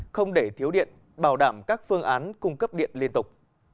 không để thiếu điện bảo đảm các phương án cung cấp điện liên tục